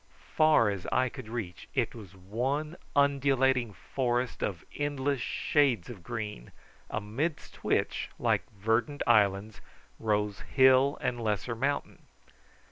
Far as eye could reach it was one undulating forest of endless shades of green, amidst which, like verdant islands, rose hill and lesser mountain.